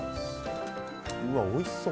うわおいしそう！